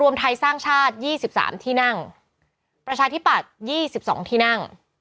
ประชาธิปัจร์๒๒ที่นั่ง